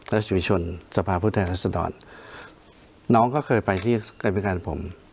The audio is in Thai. รัชวิชชนสภาพุทธแห่งรัศดรน้องก็เคยไปที่กรรมพิการผม